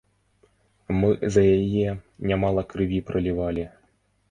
Мы за яе нямала крыві пралівалі!